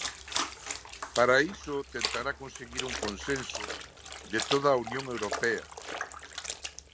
Para iso tentará conseguir un consenso de toda a Unión Europea.